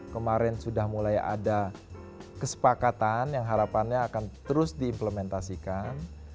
kemarin sudah mulai ada kesepakatan yang harapannya akan terus diimplementasikan